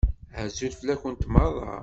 Azul fell-akent meṛṛa.